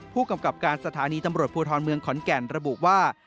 ผู้กำกับการสถานีตำรวจภูทรเมืองขอนแก่นระบุว่า